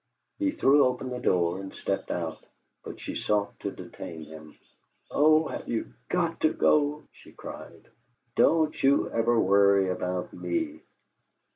He threw open the door and stepped out, but she sought to detain him. "Oh, have you GOT to go?" she cried. "Don't you ever worry about me."